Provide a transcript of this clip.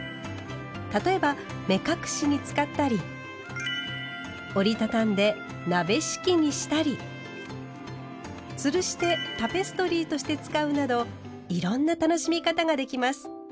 例えば目隠しに使ったり折り畳んで鍋敷きにしたりつるしてタペストリーとして使うなどいろんな楽しみ方ができます。